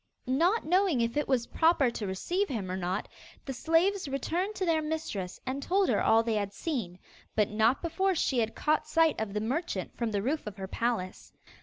Not knowing if it was proper to receive him or not, the slaves returned to their mistress and told her all they had seen, but not before she had caught sight of the merchant from the roof of her palace.